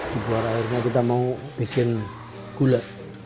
di luar airnya kita mau bikin gula